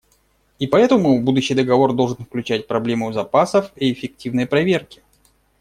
И поэтому будущий договор должен включать проблему запасов и эффективной проверки.